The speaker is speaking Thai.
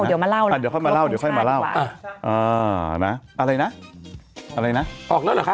เดี๋ยวค่อยมาเล่าอ่านะอะไรนะอะไรนะออกนั่นเหรอคะ